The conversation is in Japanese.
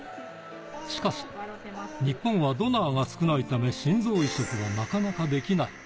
しかし、日本はドナーが少ないため心臓移植はなかなかできない。